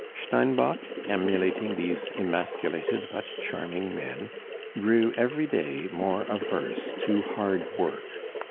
Steinbock, emulating these emasculated but charming men, grew every day more averse to hard work.